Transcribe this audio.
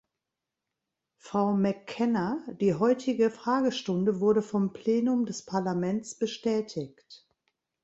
Frau McKenna, die heutige Fragestunde wurde vom Plenum des Parlaments bestätigt.